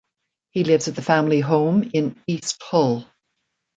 He lives at the family home in East Hull.